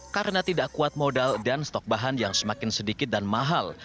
karena tidak kuat modal dan stok bahan yang semakin sedikit dan mahal